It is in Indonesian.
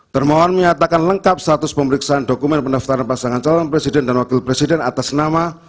termohon menyatakan lengkap status pemeriksaan dokumen pendaftaran pasangan calon presiden dan wakil presiden atas nama